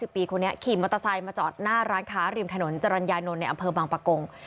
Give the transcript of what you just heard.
ปีคนนี้ขี่มอเตอร์ไซค์มาจอดหน้าร้านค้าริมถนนจรรยานนท์ในอำเภอบางปะกง